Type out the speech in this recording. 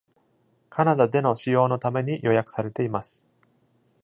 カナダでの使用のために予約されています。